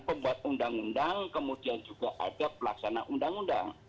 pembuat undang undang kemudian juga ada pelaksana undang undang